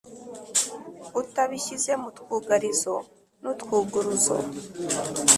utabishyize mu twugarizo n’utwuguruzo.